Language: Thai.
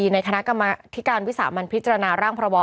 ในคณะกรรมธิการวิสาบรรณนางพิจารณาร่างภรวร